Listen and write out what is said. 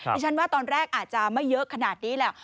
ดิฉันว่าตอนแรกอาจจะไม่เยอะขนาดนี้แหละ